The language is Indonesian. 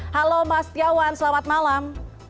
halo mas tiawan selamat malam